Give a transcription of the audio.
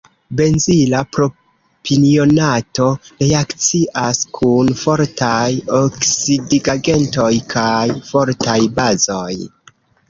Benzila propionato reakcias kun fortaj oksidigagentoj kaj fortaj bazoj.